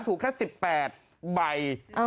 ถูกแค่๑๘ใบ